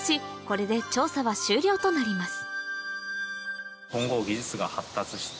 これで調査は終了となります